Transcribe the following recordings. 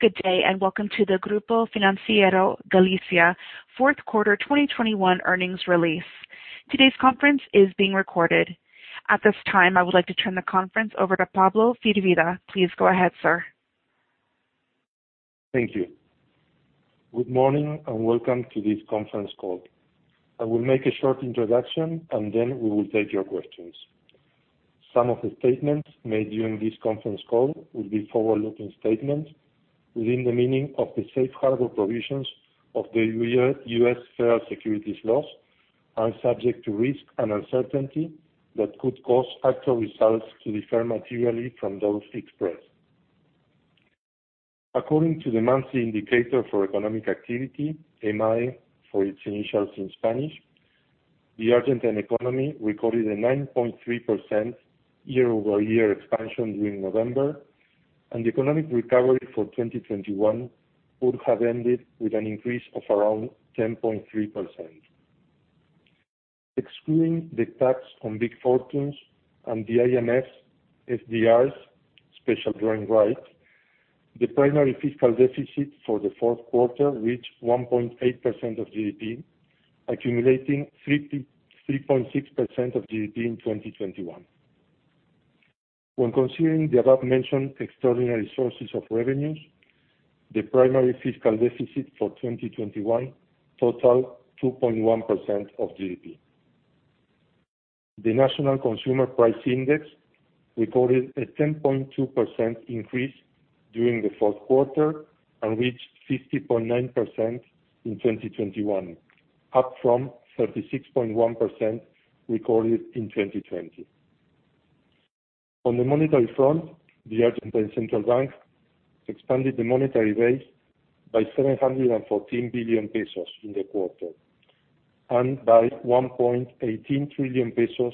Good day, and welcome to the Grupo Financiero Galicia fourth quarter 2021 earnings release. Today's conference is being recorded. At this time, I would like to turn the conference over to Pablo Firvida. Please go ahead, sir. Thank you. Good morning, and welcome to this conference call. I will make a short introduction and then we will take your questions. Some of the statements made during this conference call will be forward-looking statements within the meaning of the safe harbor provisions of the U.S. federal securities laws. They are subject to risk and uncertainty that could cause actual results to differ materially from those expressed. According to the Monthly Indicator for Economic Activity, EMAE, for its initials in Spanish, the Argentine economy recorded a 9.3% year-over-year expansion during November, and the economic recovery for 2021 would have ended with an increase of around 10.3%. Excluding the tax on big fortunes and the IMF SDRs, special drawing rights, the primary fiscal deficit for the fourth quarter reached 1.8% of GDP, accumulating 33.6% of GDP in 2021. When considering the above-mentioned extraordinary sources of revenues, the primary fiscal deficit for 2021 totaled 2.1% of GDP. The National Consumer Price Index recorded a 10.2% increase during the fourth quarter and reached 50.9% in 2021, up from 36.1% recorded in 2020. On the monetary front, the Argentine Central Bank expanded the monetary base by 714 billion pesos in the quarter, and by 1.18 trillion pesos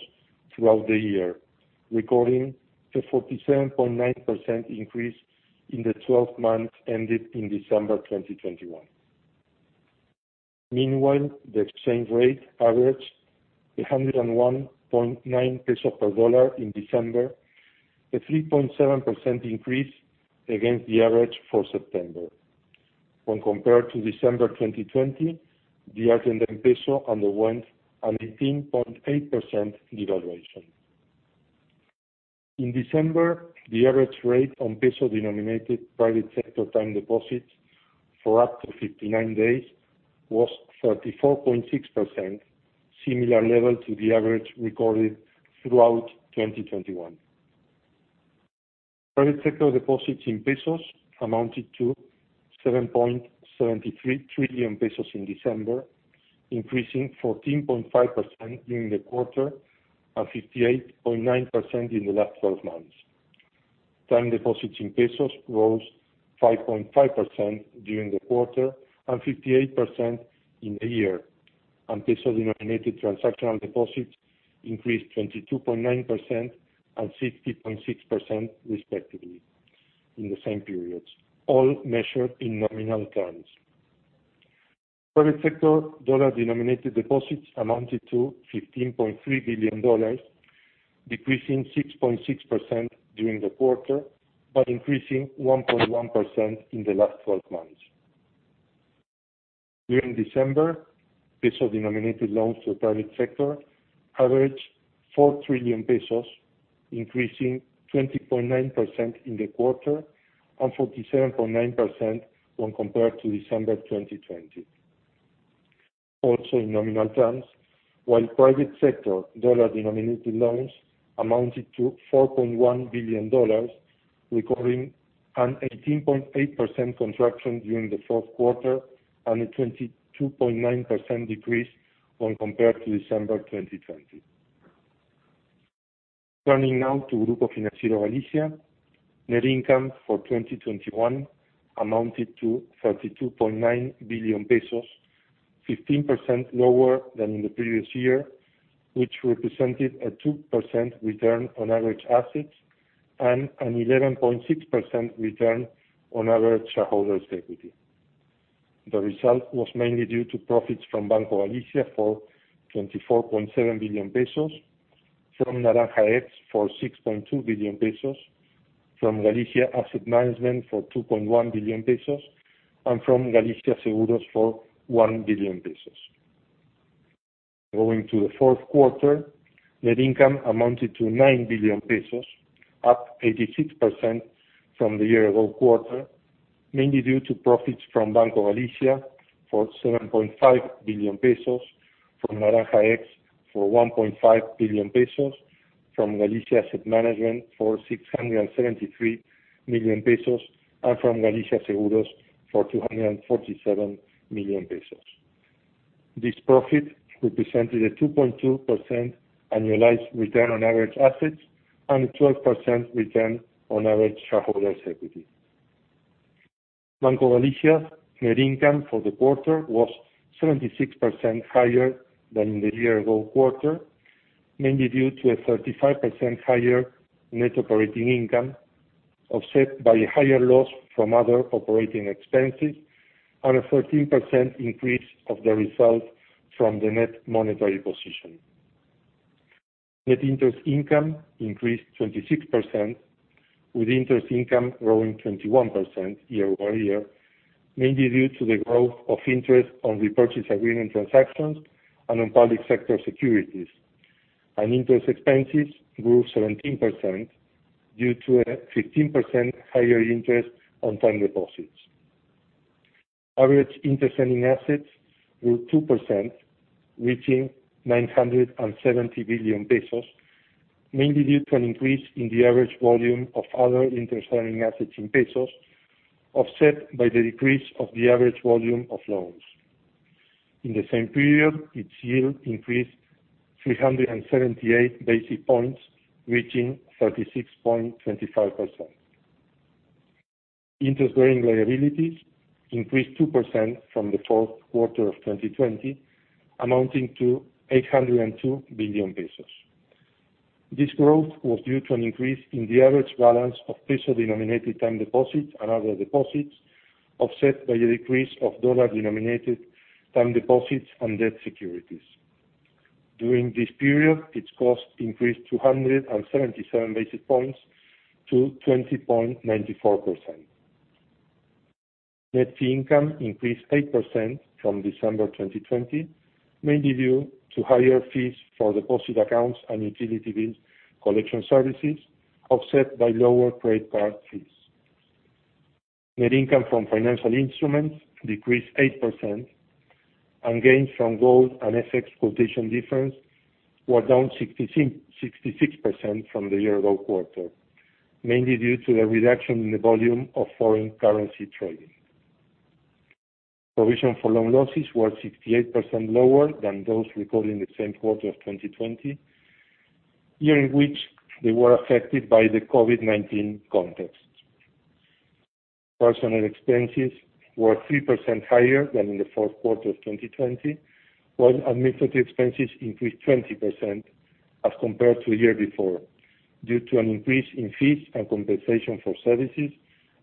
throughout the year, recording a 47.9% increase in the 12 months ended in December 2021. Meanwhile, the exchange rate averaged 101.9 pesos per dollar in December, a 3.7% increase against the average for September. When compared to December 2020, the Argentine peso underwent an 18.8% devaluation. In December, the average rate on peso-denominated private sector time deposits for up to 59 days was 34.6%, similar level to the average recorded throughout 2021. Private sector deposits in pesos amounted to 7.73 trillion pesos in December, increasing 14.5% during the quarter and 58.9% in the last 12 months. Time deposits in pesos rose 5.5% during the quarter and 58% in the year, and peso-denominated transactional deposits increased 22.9% and 60.6% respectively in the same periods, all measured in nominal terms. Private sector dollar-denominated deposits amounted to $15.3 billion, decreasing 6.6% during the quarter, but increasing 1.1% in the last 12 months. During December, peso-denominated loans to the private sector averaged 4 trillion pesos, increasing 20.9% in the quarter and 47.9% when compared to December 2020. Also in nominal terms, while private sector dollar-denominated loans amounted to $4.1 billion, recording an 18.8% contraction during the fourth quarter and a 22.9% decrease when compared to December 2020. Turning now to Grupo Financiero Galicia. Net income for 2021 amounted to 32.9 billion pesos, 15% lower than in the previous year, which represented a 2% return on average assets and an 11.6% return on average shareholders' equity. The result was mainly due to profits from Banco Galicia for 24.7 billion pesos, from Naranja X for 6.2 billion pesos, from Galicia Asset Management for 2.1 billion pesos, and from Galicia Seguros for 1 billion pesos. Going to the fourth quarter, net income amounted to 9 billion pesos, up 86% from the year ago quarter, mainly due to profits from Banco Galicia for 7.5 billion pesos, from Naranja X for 1.5 billion pesos, from Galicia Asset Management for 673 million pesos, and from Galicia Seguros for 247 million pesos. This profit represented a 2.2% annualized return on average assets and a 12% return on average shareholders' equity. Banco Galicia net income for the quarter was 76% higher than the year-ago quarter, mainly due to a 35% higher net operating income, offset by higher loss from other operating expenses and a 13% increase of the results from the net monetary position. Net interest income increased 26%, with interest income growing 21% year-over-year, mainly due to the growth of interest on repurchase agreement transactions and on public sector securities. Interest expenses grew 17% due to a 15% higher interest on time deposits. Average interest earning assets grew 2%, reaching 970 billion pesos, mainly due to an increase in the average volume of other interest earning assets in pesos, offset by the decrease of the average volume of loans. In the same period, its yield increased 378 basis points, reaching 36.25%. Interest-bearing liabilities increased 2% from the fourth quarter of 2020, amounting to 802 billion pesos. This growth was due to an increase in the average balance of peso-denominated time deposits and other deposits, offset by a decrease of dollar-denominated time deposits and debt securities. During this period, its cost increased 277 basis points to 20.94%. Net Fee Income increased 8% from December 2020, mainly due to higher fees for deposit accounts and utility bills collection services, offset by lower trade card fees. Net income from financial instruments decreased 8%, and gains from gold and FX quotation difference were down 66% from the year-ago quarter, mainly due to a reduction in the volume of foreign currency trading. Provision for loan losses were 68% lower than those recorded in the same quarter of 2020, year in which they were affected by the COVID-19 context. Personnel expenses were 3% higher than in the fourth quarter of 2020, while administrative expenses increased 20% as compared to a year before, due to an increase in fees and compensation for services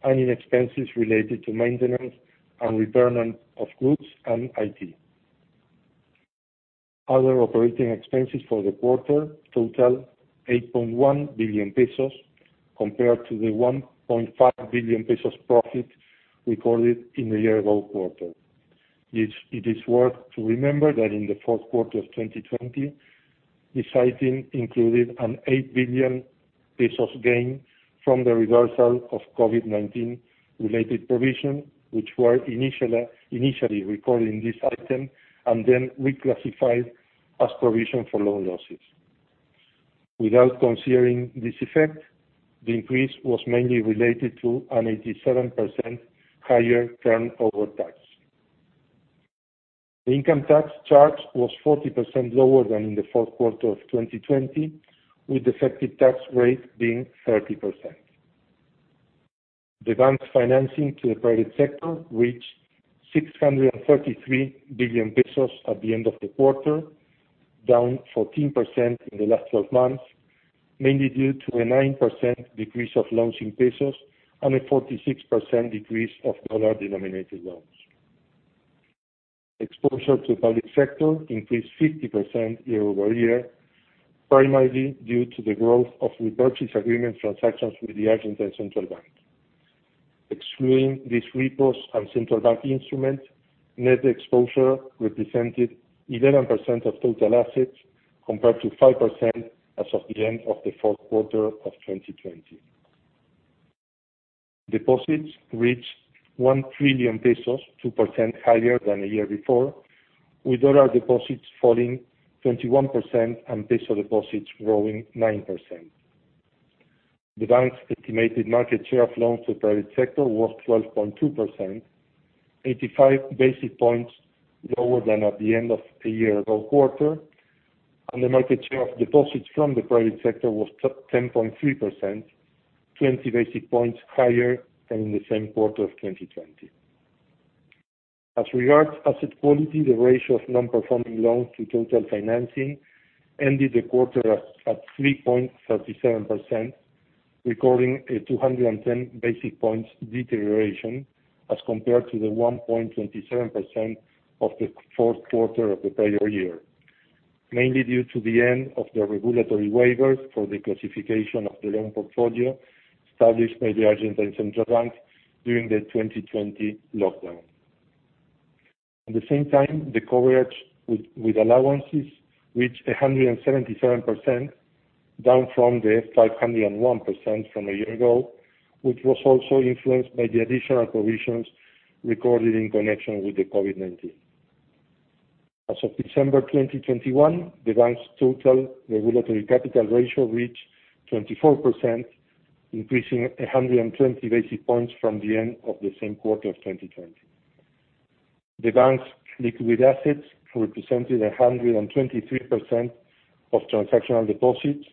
and in expenses related to maintenance and betterment of Grupo's and IT. Other operating expenses for the quarter totaled 8.1 billion pesos compared to the 1.5 billion pesos profit recorded in the year ago quarter. It is worth to remember that in the fourth quarter of 2020, this item included an 8 billion pesos gain from the reversal of COVID-19 related provision, which were initially recorded in this item, and then reclassified as provision for loan losses. Without considering this effect, the increase was mainly related to an 87% higher turnover tax. The income tax charge was 40% lower than in the fourth quarter of 2020, with effective tax rate being 30%. The bank's financing to the private sector reached 633 billion pesos at the end of the quarter, down 14% in the last 12 months, mainly due to a 9% decrease of loans in pesos and a 46% decrease of dollar-denominated loans. Exposure to public sector increased 50% year-over-year, primarily due to the growth of repurchase agreement transactions with the Argentine Central Bank. Excluding these repos and central bank instruments, net exposure represented 11% of total assets compared to 5% as of the end of the fourth quarter of 2020. Deposits reached 1 trillion pesos, 2% higher than a year before, with dollar deposits falling 21% and peso deposits growing 9%. The bank's estimated market share of loans to private sector was 12.2%, 85 basis points lower than at the end of a year ago quarter. The market share of deposits from the private sector was ten point three percent, 20 basis points higher than in the same quarter of 2020. As regards asset quality, the ratio of non-performing loans to total financing ended the quarter at 3.37%, recording a 210 basis points deterioration as compared to the 1.27% of the fourth quarter of the prior year, mainly due to the end of the regulatory waivers for the classification of the loan portfolio established by the Argentine Central Bank during the 2020 lockdown. At the same time, the coverage with allowances reached 177%, down from the 501% from a year ago, which was also influenced by the additional provisions recorded in connection with the COVID-19. As of December 2021, the bank's total regulatory capital ratio reached 24%, increasing 120 basis points from the end of the same quarter of 2020. The bank's liquid assets represented 123% of transactional deposits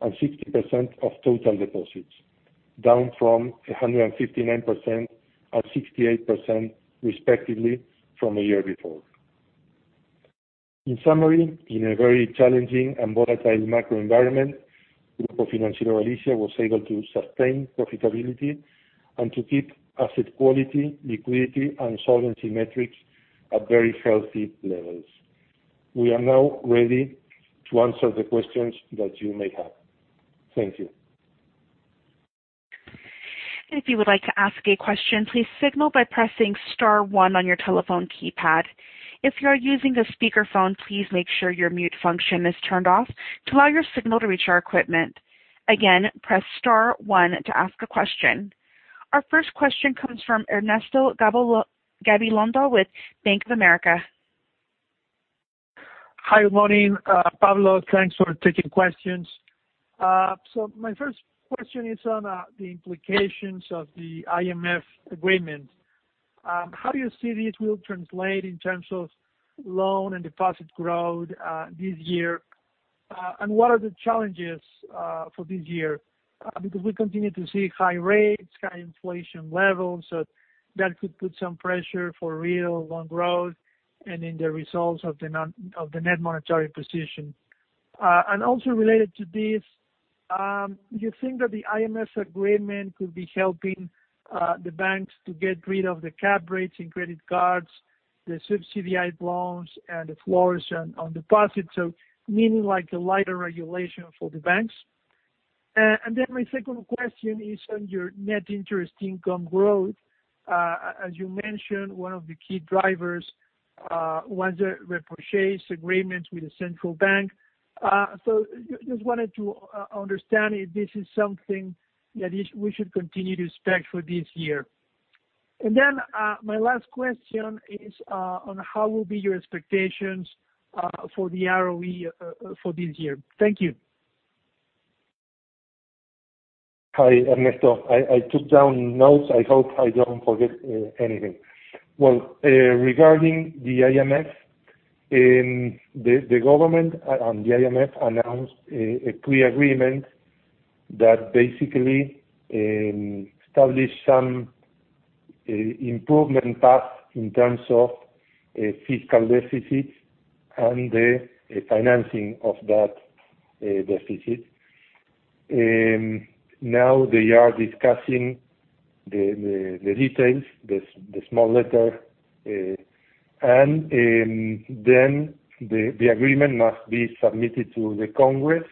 and 60% of total deposits, down from 159% and 68% respectively from a year before. In summary, in a very challenging and volatile macro environment, Grupo Financiero Galicia was able to sustain profitability and to keep asset quality, liquidity, and solvency metrics at very healthy levels. We are now ready to answer the questions that you may have. Thank you. If you would like to ask a question, please signal by pressing star one on your telephone keypad. If you are using the speakerphone, please make sure your mute function is turned off to allow your signal to reach our equipment. Again, press star one to ask a question. Our first question comes from Ernesto Gabilondo with Bank of America. Hi. Good morning, Pablo. Thanks for taking questions. My first question is on the implications of the IMF agreement. How do you see this will translate in terms of loan and deposit growth this year? What are the challenges for this year? Because we continue to see high rates, high inflation levels, so that could put some pressure for real loan growth and in the results of the net monetary position. Also related to this, do you think that the IMF agreement could be helping the banks to get rid of the cap rates in credit cards, the subsidized loans and the floors on deposits? Meaning like a lighter regulation for the banks. Then my second question is on your net interest income growth. As you mentioned, one of the key drivers was the repo agreements with the Central Bank. Just wanted to understand if this is something that we should continue to expect for this year. My last question is on how will be your expectations for the ROE for this year. Thank you. Hi, Ernesto. I took down notes. I hope I don't forget anything. Well, regarding the IMF, the government and the IMF announced a pre-agreement that basically established some improvement path in terms of fiscal deficits and the financing of that deficit. Now they are discussing the details, the small print, and then the agreement must be submitted to the Congress,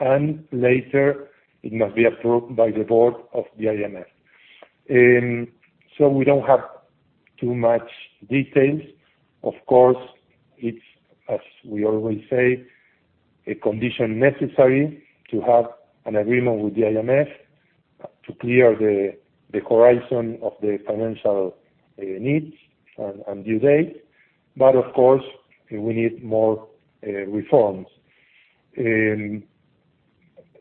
and later it must be approved by the board of the IMF. We don't have too much details. Of course, it's as we always say, a condition necessary to have an agreement with the IMF to clear the horizon of the financial needs and due date. Of course, we need more reforms.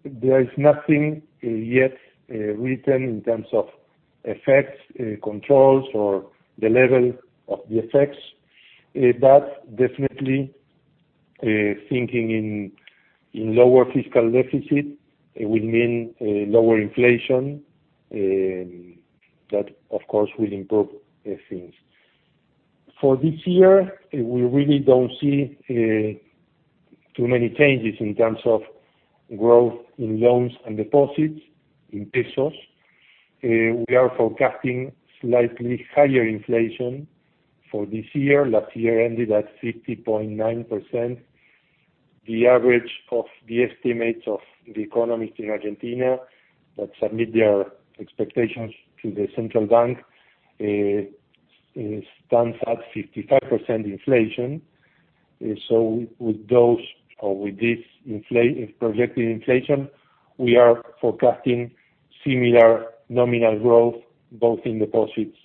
There is nothing yet written in terms of effects, controls or the level of the effects. Definitely, thinking in lower fiscal deficit, it will mean lower inflation, that, of course, will improve things. For this year, we really don't see too many changes in terms of growth in loans and deposits in pesos. We are forecasting slightly higher inflation for this year. Last year ended at 60.9%. The average of the estimates of the economists in Argentina that submit their expectations to the Central Bank of the Argentine Republic stands at 55% inflation. With those or with this projected inflation, we are forecasting similar nominal growth both in deposits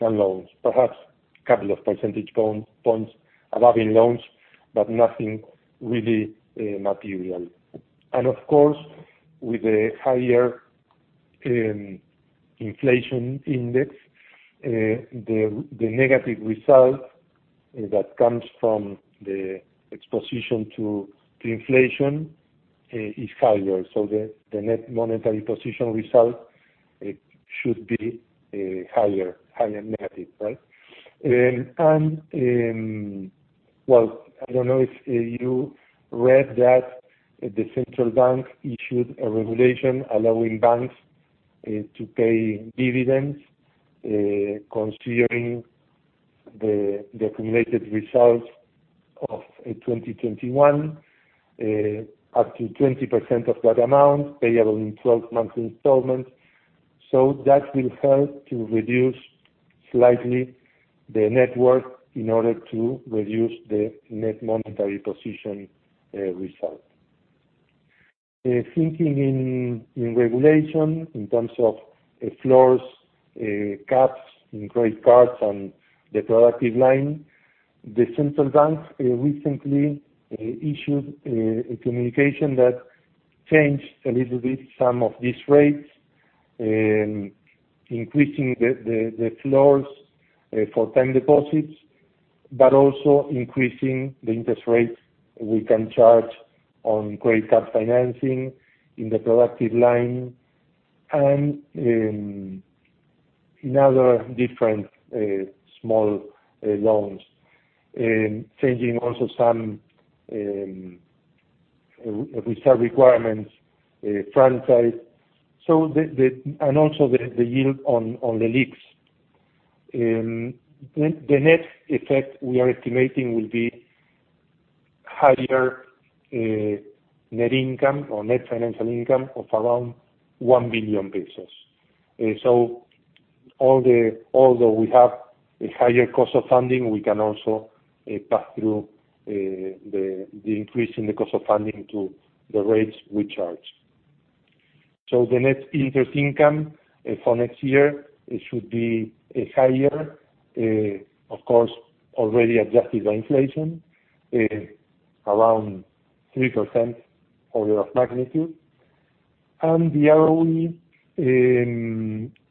and loans. Perhaps a couple of percentage points above in loans, but nothing really material. Of course, with a higher inflation index, the negative result that comes from the exposure to inflation is higher. The net monetary position result should be higher negative, right? Well, I don't know if you read that the central bank issued a regulation allowing banks to pay dividends considering the accumulated results of 2021 up to 20% of that amount payable in 12-month installments. That will help to reduce slightly the net worth in order to reduce the net monetary position result. Thinking in regulation in terms of floors, caps in credit cards and the productive line, the Central Bank recently issued a communication that changed a little bit some of these rates, increasing the floors for time deposits, but also increasing the interest rates we can charge on credit card financing in the productive line and in other different small loans. Changing also some reserve requirements, franchise, so the and also the yield on the LELIQs. The net effect we are estimating will be higher net income or net financial income of around 1 billion pesos. Although we have a higher cost of funding, we can also pass through the increase in the cost of funding to the rates we charge. The Net Interest Income for next year should be higher, of course, already adjusted by inflation, around 3% order of magnitude. The ROE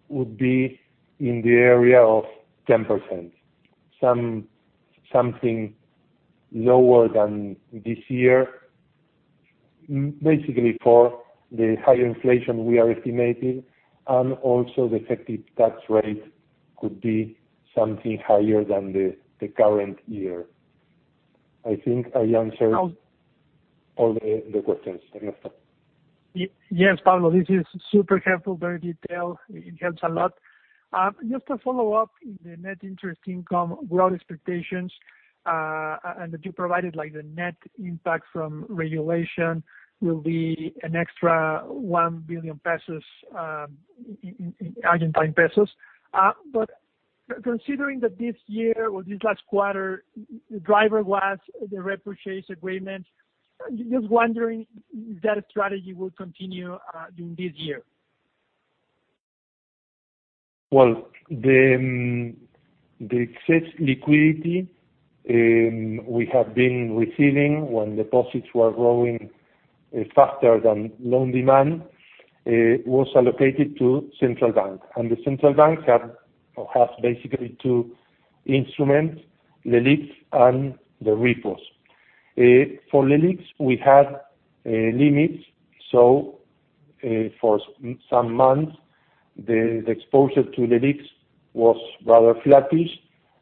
would be in the area of 10%. Something lower than this year, basically for the higher inflation we are estimating, and also the effective tax rate could be something higher than the current year. I think I answered all the questions. Ernesto. Yes, Pablo, this is super helpful, very detailed. It helps a lot. Just to follow up, the Net Interest Income growth expectations, and that you provided like the net impact from regulation will be an extra 1 billion pesos, in Argentine pesos. Considering that this year or this last quarter, driver was the repurchase agreement, just wondering if that strategy will continue, during this year. Well, the excess liquidity we have been receiving when deposits were growing faster than loan demand was allocated to Central Bank. The Central Bank have or has basically two instruments, the LELIQs and the repos. For LELIQs, we had limits, so for some months the exposure to LELIQs was rather flattish,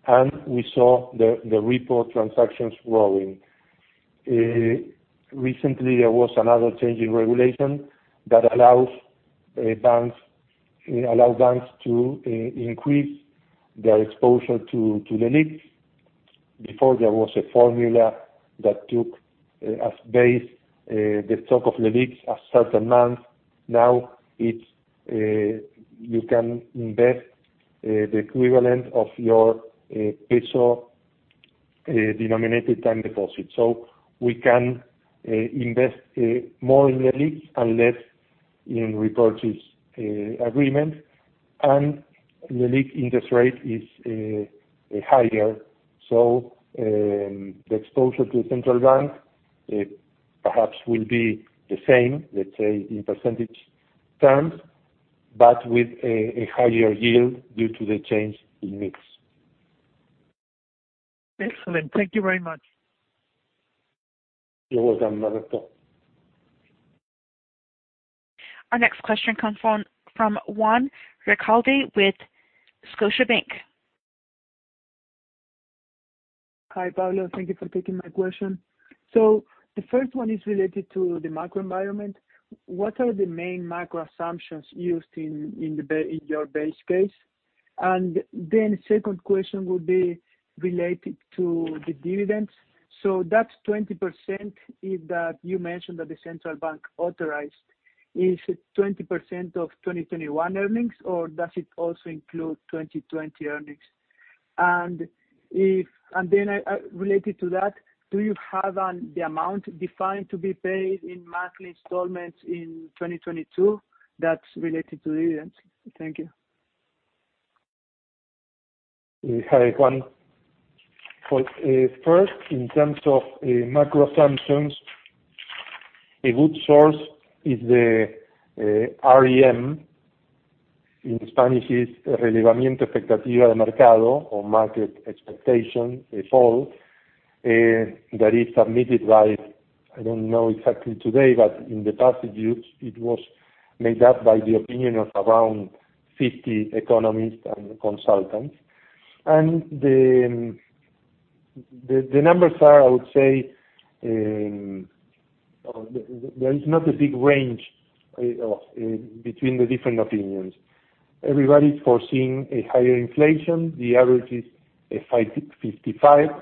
and we saw the repo transactions growing. Recently there was another change in regulation that allows banks to increase their exposure to LELIQs. Before there was a formula that took as base the stock of LELIQs at certain months. Now it's you can invest the equivalent of your peso denominated time deposit. So we can invest more in LELIQs and less in repurchase agreement. LELIQs interest rate is higher, so the exposure to Central Bank perhaps will be the same, let's say, in percentage terms, but with a higher yield due to the change in LELIQs. Excellent. Thank you very much. You're welcome, Ernesto. Our next question comes from Juan Recalde with Scotiabank. Hi, Pablo. Thank you for taking my question. The first one is related to the macro environment. What are the main macro assumptions used in your base case? Second question would be related to the dividends. That 20% you mentioned that the central bank authorized, is it 20% of 2021 earnings or does it also include 2020 earnings? Related to that, do you have the amount defined to be paid in monthly installments in 2022 that's related to dividends? Thank you. Hi, Juan. First, in terms of macro assumptions, a good source is the REM. In Spanish it's Relevamiento de Expectativas de Mercado or Market Expectation Poll that is submitted by, I don't know exactly today, but in the past years it was made up of the opinions of around fifty economists and consultants. The numbers are, I would say, there is not a big range between the different opinions. Everybody's foreseeing a higher inflation. The average is 55%,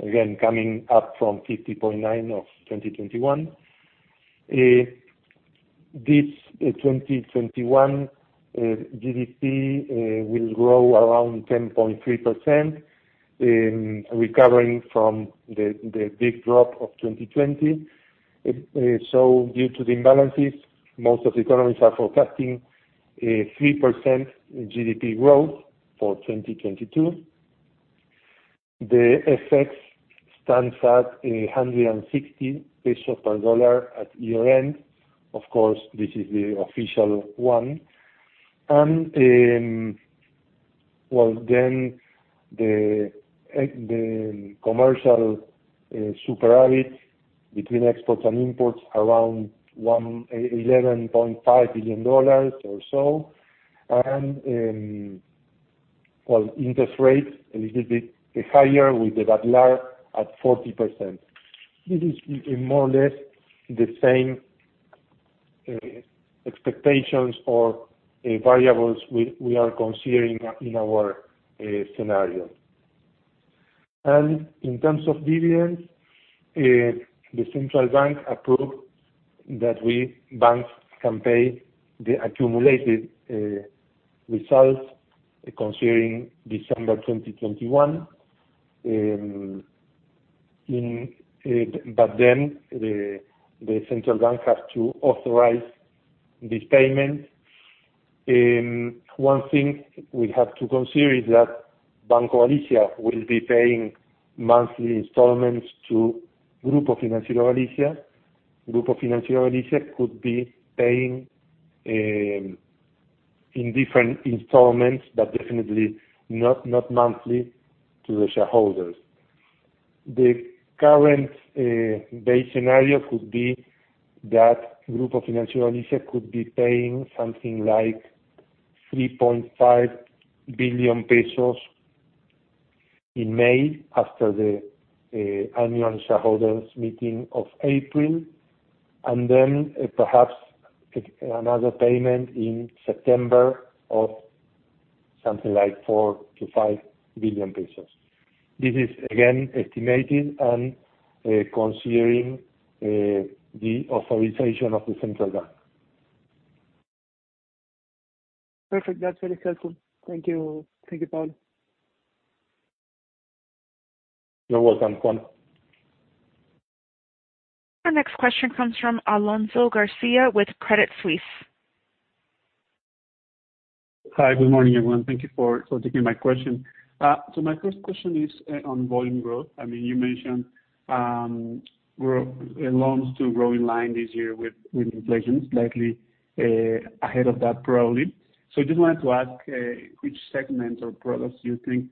again, coming up from 50.9% of 2021. This 2021, GDP will grow around 10.3%, recovering from the big drop of 2020. Due to the imbalances, most of the economists are forecasting a 3% GDP growth for 2022. The FX stands at 160 pesos per dollar at year-end. Of course, this is the official one. Well, the commercial surplus between exports and imports around $11.5 billion or so. Interest rates a little bit higher with the BADLAR at 40%. This is more or less the same expectations or variables we are considering in our scenario. In terms of dividends, the central bank approved that we banks can pay the accumulated results considering December 2021. The central bank has to authorize this payment. One thing we have to consider is that Banco Galicia will be paying monthly installments to Grupo Financiero Galicia. Grupo Financiero Galicia could be paying in different installments, but definitely not monthly to the shareholders. The current base scenario could be that Grupo Financiero Galicia could be paying something like 3.5 billion pesos in May after the annual shareholders meeting of April, and then perhaps another payment in September of something like 4 billion-5 billion pesos. This is again estimated and considering the authorization of the central bank. Perfect. That's really helpful. Thank you. Thank you, Pablo. You're welcome, Juan. Our next question comes from Alonso Garcia with Credit Suisse. Hi, good morning, everyone. Thank you for taking my question. My first question is on volume growth. I mean, you mentioned loans to grow in line this year with inflation slightly ahead of that, probably. Just wanted to ask which segments or products do you think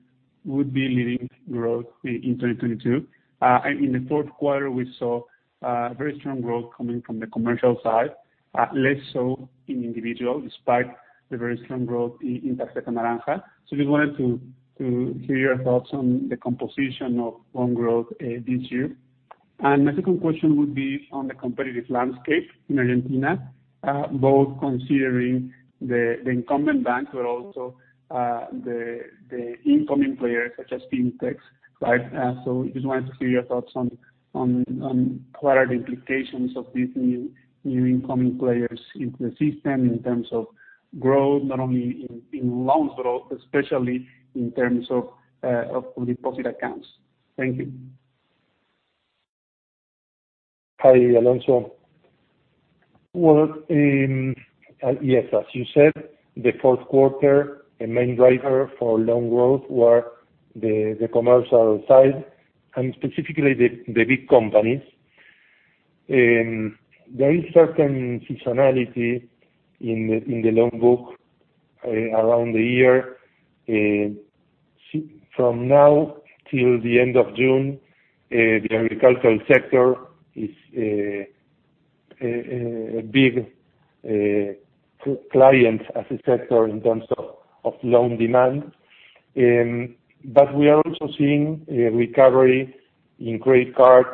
would be leading growth in 2022? I mean, in the fourth quarter, we saw very strong growth coming from the commercial side, less so in individual, despite the very strong growth in Naranja X. Just wanted to hear your thoughts on the composition of loan growth this year. My second question would be on the competitive landscape in Argentina, both considering the incumbent banks, but also the incoming players such as FinTechs, right? Just wanted to hear your thoughts on what are the implications of these new incoming players into the system in terms of growth, not only in loans, but also especially in terms of deposit accounts. Thank you. Hi, Alonso. Well, yes, as you said, the fourth quarter, the main driver for loan growth were the commercial side and specifically the big companies. There is certain seasonality in the loan book around the year. From now till the end of June, the agricultural sector is a big client as a sector in terms of loan demand. But we are also seeing a recovery in credit card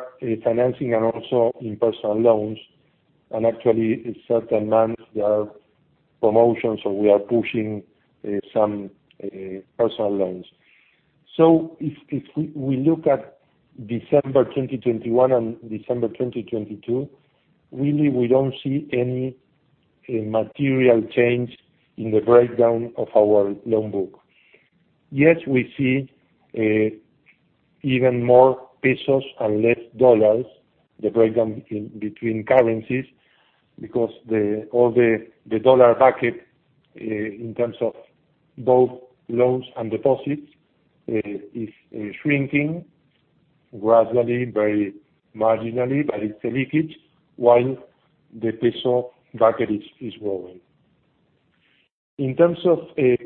financing and also in personal loans. Actually in certain months there are promotions or we are pushing some personal loans. If we look at December 2021 and December 2022, really we don't see any material change in the breakdown of our loan book. Yes, we see even more pesos and less dollars, the breakdown between currencies, because all the dollar bracket in terms of both loans and deposits is shrinking gradually, very marginally, but it's a leakage while the peso bracket is growing. In terms of the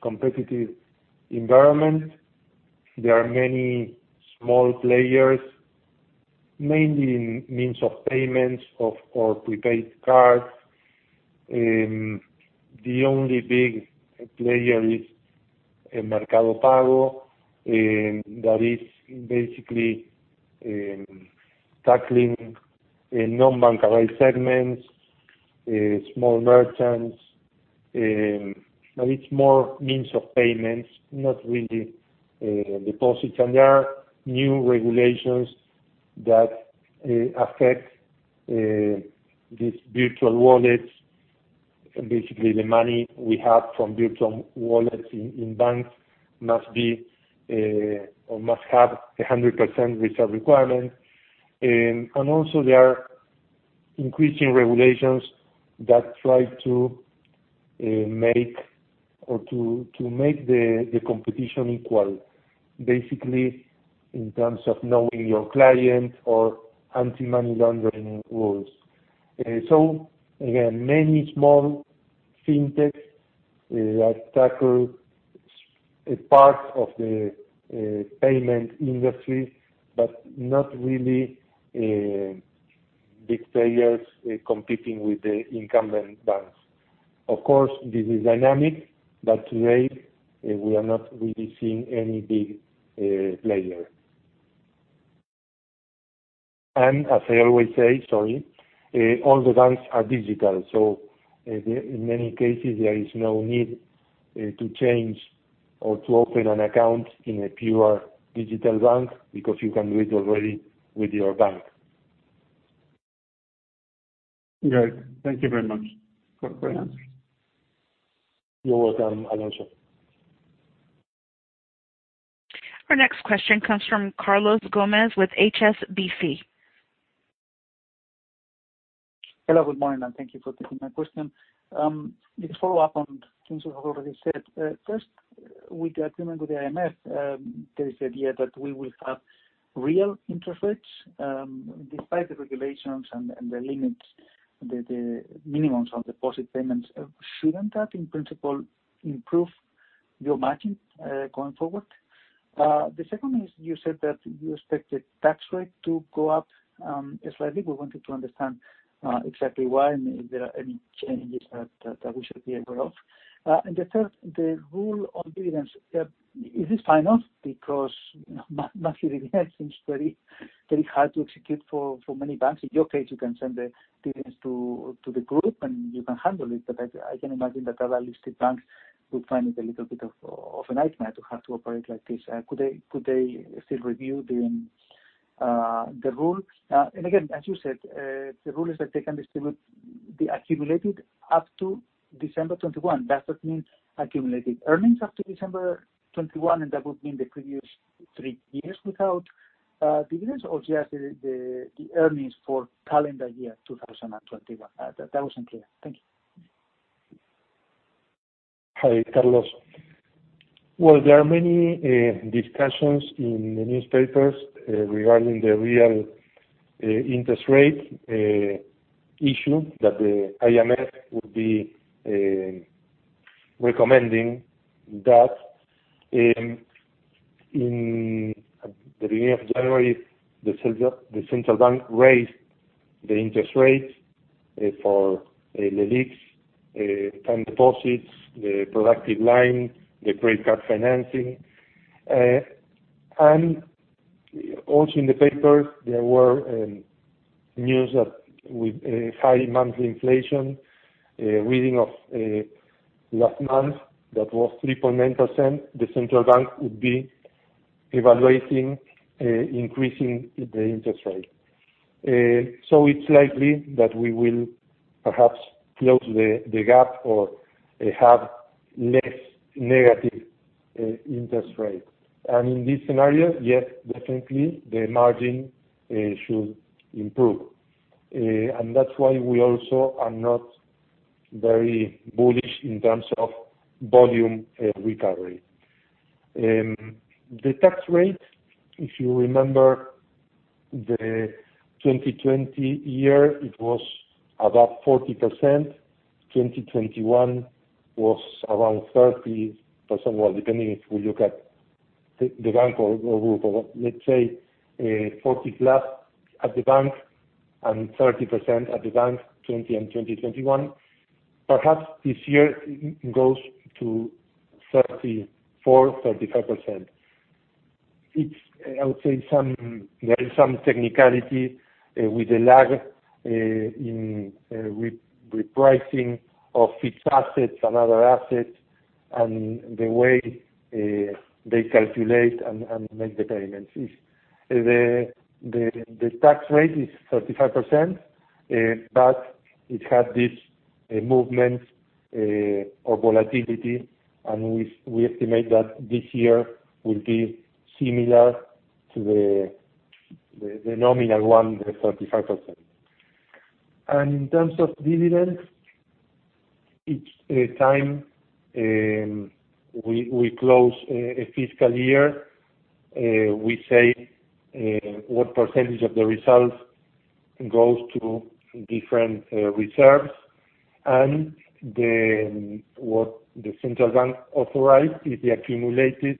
competitive environment, there are many small players, mainly in means of payments or prepaid cards. The only big player is Mercado Pago that is basically tackling non-bankerized segments, small merchants, but it's more means of payments, not really deposits. There are new regulations that affect these virtual wallets. Basically, the money we have from virtual wallets in banks must be or must have a 100% reserve requirement. There are increasing regulations that try to make the competition equal, basically in terms of knowing your client or anti-money laundering rules. So again, many small fintechs that tackle a part of the payment industry, but not really big players competing with the incumbent banks. Of course, this is dynamic, but today, we are not really seeing any big player. As I always say, all the banks are digital, so in many cases there is no need to change or to open an account in a pure digital bank because you can do it already with your bank. Great. Thank you very much for answering. You're welcome, Alonso. Our next question comes from Carlos Gomez-Lopez with HSBC. Hello, good morning, and thank you for taking my question. Just to follow up on things you have already said. First, with the agreement with the IMF, there is the idea that we will have real interest rates, despite the regulations and the limits, the minimums on deposit payments. Shouldn't that, in principle, improve your margin, going forward? The second is you said that you expect the tax rate to go up, slightly. We wanted to understand, exactly why, and if there are any changes that we should be aware of. And the third, the rule on dividends. Is this final? Because, you know, monthly seems very, very hard to execute for many banks. In your case, you can send the dividends to the group and you can handle it, but I can imagine that other listed banks would find it a little bit of a nightmare to have to operate like this. Could they still review the rule? Again, as you said, the rule is that they can distribute the accumulated up to December 2021. Does that mean accumulated earnings up to December 2021, and that would mean the previous three years without dividends? Or just the earnings for calendar year 2021? That wasn't clear. Thank you. Hi, Carlos. Well, there are many discussions in the newspapers regarding the real interest rate issue that the IMF would be recommending that in the beginning of January, the central bank raised the interest rates for the LELIQs time deposits, the productive line, the credit card financing. Also in the papers, there were news that with a high monthly inflation reading of last month that was 3.9%, the central bank would be evaluating increasing the interest rate. It's likely that we will perhaps close the gap or have less negative interest rate. In this scenario, yes, definitely the margin should improve. That's why we also are not very bullish in terms of volume recovery. The tax rate, if you remember the 2020 year, it was about 40%. 2021 was around 30%. Well, depending if we look at the bank or group or what. Let's say 40+ at the bank and 30% at the bank, 2020 and 2021. Perhaps this year it goes to 34%-35%. It's. I would say there is some technicality with the lag in repricing of fixed assets and other assets, and the way they calculate and make the payments. If the tax rate is 35%, but it had this movement or volatility, and we estimate that this year will be similar to the nominal one, the 35%. In terms of dividends, each time we close a fiscal year, we say what percentage of the results goes to different reserves. Then what the Central Bank authorize is the accumulated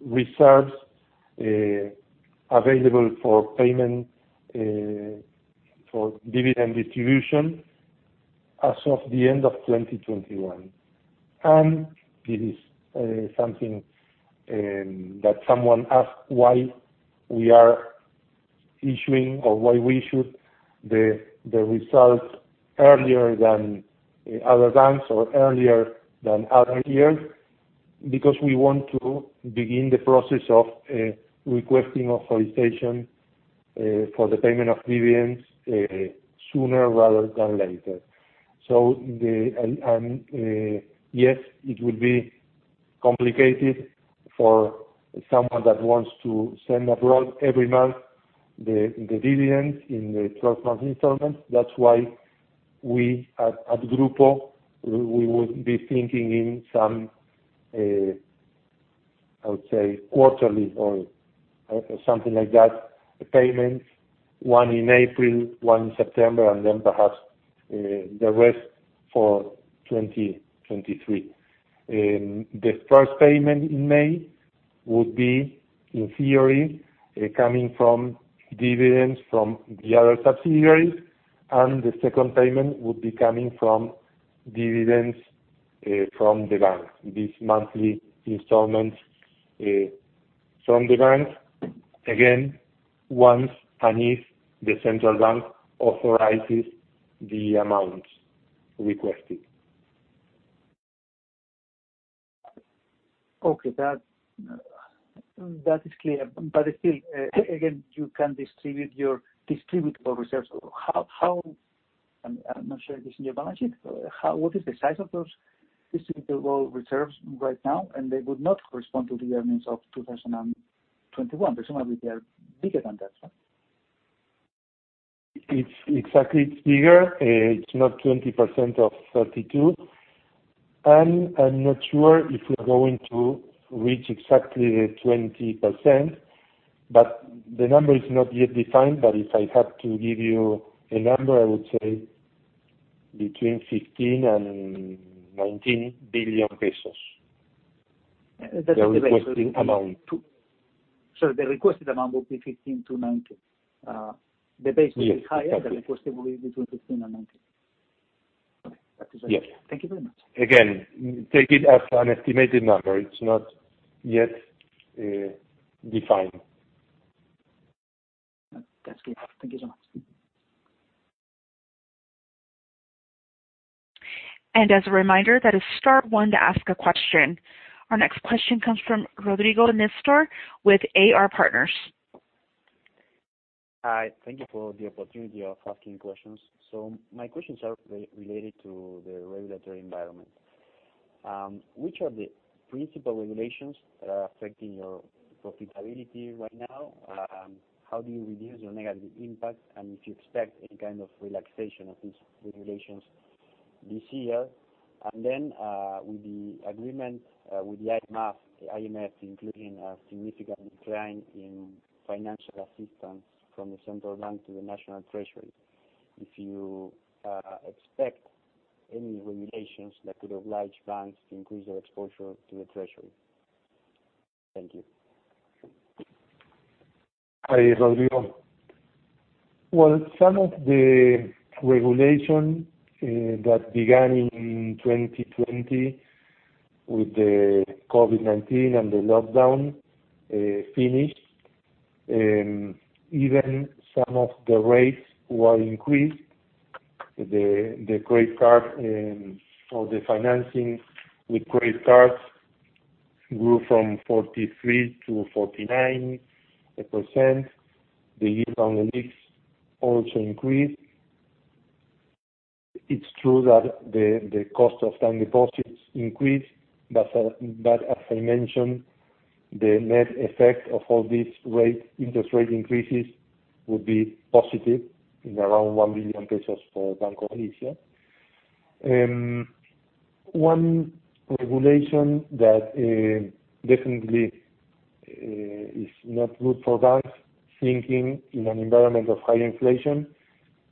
reserves available for payment for dividend distribution as of the end of 2021. This is something that someone asked, why we are issuing or why we issued the results earlier than other banks or earlier than other years, because we want to begin the process of requesting authorization for the payment of dividends sooner rather than later. Yes, it will be complicated for someone that wants to send abroad every month the dividends in the 12-month installments. That's why we at Grupo would be thinking in some, I would say, quarterly or something like that, payments. One in April, one in September, and then perhaps the rest for 2023. The first payment in May would be, in theory, coming from dividends, from the other subsidiaries, and the second payment would be coming from dividends, from the bank. These monthly installments from the bank, again, once and if the central bank authorizes the amount requested. Okay. That is clear. Still, again, you can distribute your distributable reserves. I'm not sure this is your balance sheet. What is the size of those distributable reserves right now? They would not correspond to the earnings of 2021. Presumably, they are bigger than that, right? It's exactly bigger. It's not 20% of 32, and I'm not sure if we're going to reach exactly the 20%, but the number is not yet defined. If I had to give you a number, I would say between 15 billion and 19 billion pesos. That's the base. The requested amount. The requested amount would be 15 billion-19 billion. Yes, exactly. The base would be higher, the requested will be between 15 billion and 19 billion. Okay. That is all. Yes. Thank you very much. Again, take it as an estimated number. It's not yet defined. That's clear. Thank you so much. As a reminder, that is star one to ask a question. Our next question comes from Rodrigo Nistor with AR Partners. Hi. Thank you for the opportunity of asking questions. My questions are related to the regulatory environment. Which are the principal regulations that are affecting your profitability right now? How do you reduce your negative impact, and if you expect any kind of relaxation of these regulations this year? Then, with the agreement with the IMF, including a significant decline in financial assistance from the central bank to the national treasury, if you expect any regulations that could oblige banks to increase their exposure to the treasury. Thank you. Hi, Rodrigo. Well, some of the regulation that began in 2020 with the COVID-19 and the lockdown finished. Even some of the rates were increased. The credit card or the financing with credit cards grew from 43% to 49%. The yield on the mix also increased. It's true that the cost of time deposits increased, but as I mentioned, the net effect of all these interest rate increases would be positive in around 1 billion pesos for Banco Galicia. One regulation that definitely is not good for banks thinking in an environment of high inflation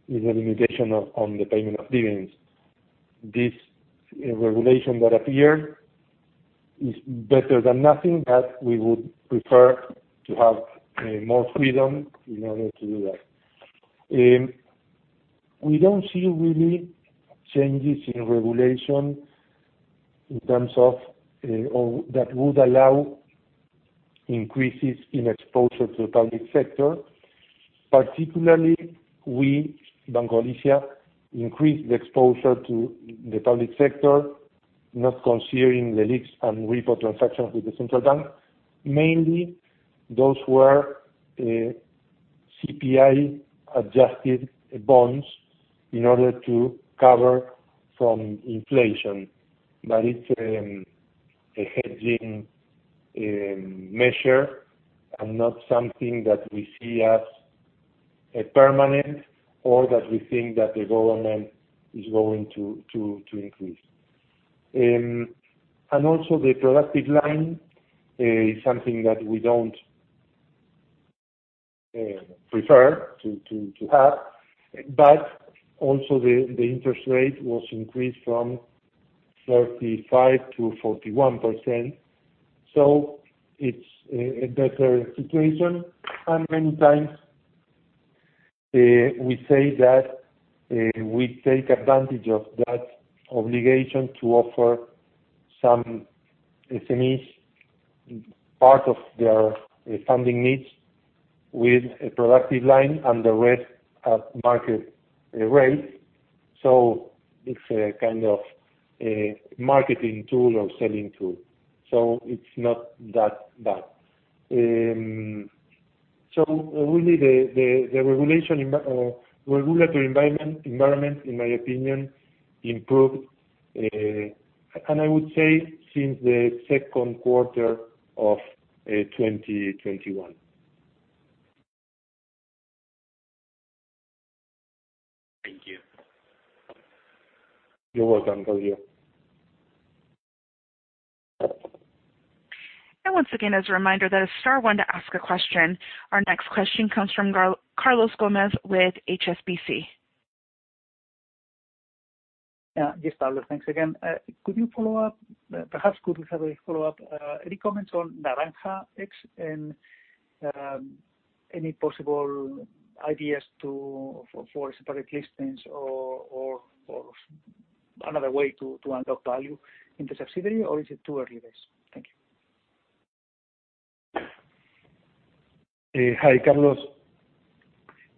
is a limitation on the payment of dividends. This regulation that appeared is better than nothing, but we would prefer to have more freedom in order to do that. We don't really see changes in regulation in terms of or that would allow increases in exposure to the public sector. Particularly, we, Banco Galicia, increased the exposure to the public sector, not considering the LELIQs and repo transactions with the central bank. Mainly, those were CPI-adjusted bonds in order to cover from inflation. It's a hedging measure and not something that we see as permanent or that we think that the government is going to increase. Also the productive line is something that we don't prefer to have. Also the interest rate was increased from 35% to 41%. It's a better situation. Many times, we say that we take advantage of that obligation to offer some SMEs part of their funding needs with a productive line and the rest at market rate. It's a kind of a marketing tool or selling tool. It's not that bad. Really the regulatory environment, in my opinion, improved, and I would say since the second quarter of 2021. Thank you. You're welcome, Rodrigo. Once again, as a reminder, that is star one to ask a question. Our next question comes from Carlos Gomez-Lopez with HSBC. Yes, Pablo, thanks again. Could you follow up, perhaps could we have a follow-up, any comments on Naranja X and, any possible ideas for a separate listings or another way to unlock value in the subsidiary, or is it too early days? Thank you. Hi, Carlos.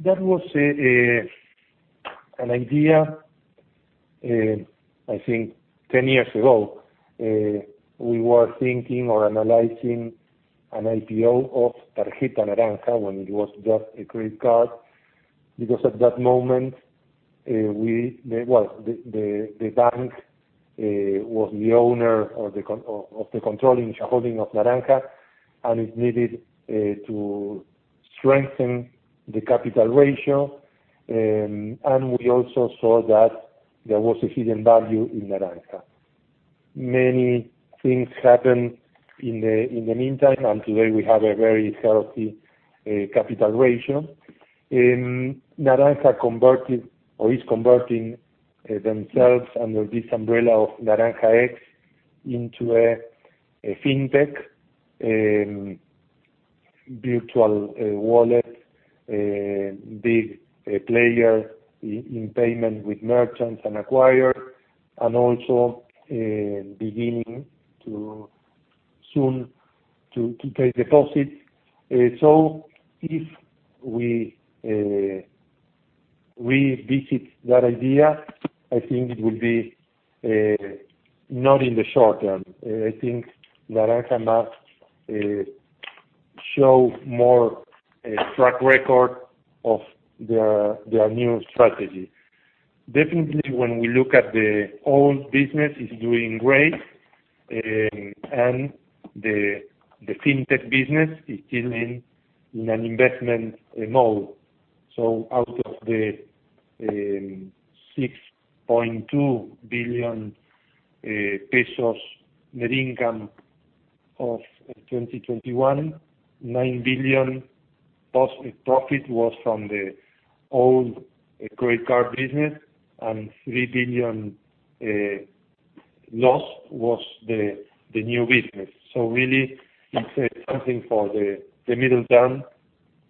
That was an idea I think 10 years ago. We were thinking or analyzing an IPO of Naranja X when it was just a credit card because at that moment, the bank was the owner of the controlling shareholding of Naranja, and it needed to strengthen the capital ratio. We also saw that there was a hidden value in Naranja. Many things happened in the meantime, and today we have a very healthy capital ratio. Naranja converted or is converting themselves under this umbrella of Naranja X into a fintech virtual wallet, big player in payments with merchants and acquirers, and also beginning soon to take deposits. If we revisit that idea, I think it would be not in the short term. I think Naranja must show more track record of their new strategy. Definitely when we look at the old business, it's doing great. The fintech business is still in an investment mode. Out of the 6.2 billion pesos net income of 2021, 9 billion net profit was from the old credit card business, and 3 billion loss was the new business. Really it's something for the medium term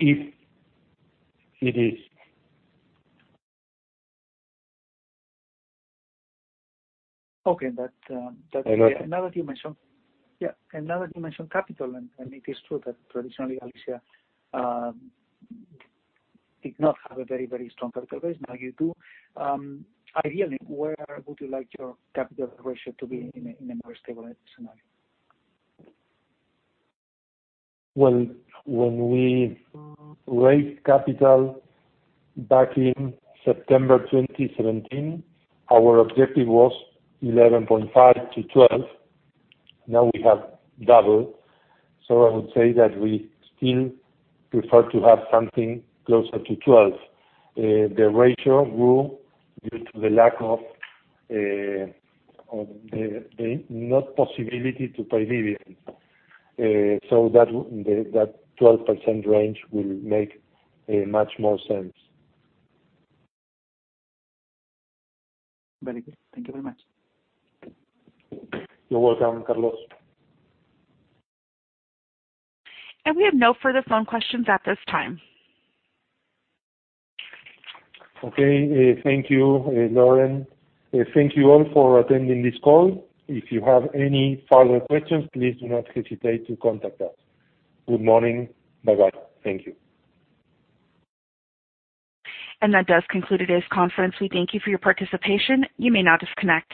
if it is. Okay. I got it. Now that you mention. Yeah. Now that you mention capital and it is true that traditionally, Galicia did not have a very strong capital base. Now you do. Ideally, where would you like your capital ratio to be in a more stabilized scenario? Well, when we raised capital back in September 2017, our objective was 11.5%-12%. Now we have double, so I would say that we still prefer to have something closer to 12. The ratio grew due to the lack of the possibility to pay dividends. That 12% range will make much more sense. Very good. Thank you very much. You're welcome, Carlos. We have no further phone questions at this time. Okay. Thank you, Lauren. Thank you all for attending this call. If you have any further questions, please do not hesitate to contact us. Good morning. Bye-bye. Thank you. That does conclude today's conference. We thank you for your participation. You may now disconnect.